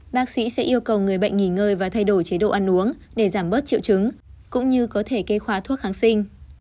bác sĩ sẽ yêu cầu người bệnh nghỉ ngơi và thay đổi chế độ ăn uống để giảm bớt triệu chứng cũng như có thể kê khóa thuốc kháng sinh